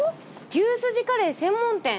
「牛すじカレー専門店」。